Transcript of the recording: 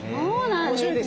面白いですよね。